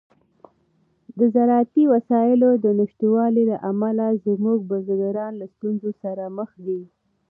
د زراعتي وسایلو د نشتوالي له امله زموږ بزګران له ستونزو سره مخ دي.